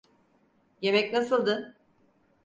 Yemek nasıldı?